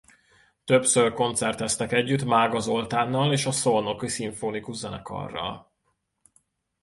Többször koncerteztek együtt Mága Zoltánnal és a Szolnoki Szimfonikus Zenekarral.